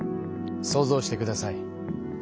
想像してください。